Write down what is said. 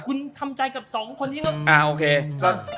คุณทำใจกับ๒คนที่